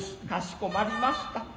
かしこまりました。